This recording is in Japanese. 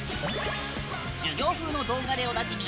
授業風の動画でおなじみ